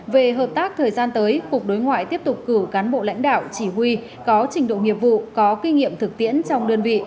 về hợp tác thời gian tới cục đối ngoại tiếp tục cử cán bộ lãnh đạo chỉ huy có trình độ nghiệp vụ có kinh nghiệm thực tiễn trong đơn vị